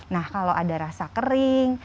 nah kalau ada rasa kering